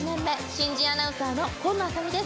新人アナウンサーの紺野あさ美です。